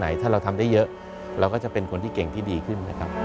ตั้งแต่ต้นทำได้เยอะเราก็จะเป็นคนที่เก่งที่ดีขึ้น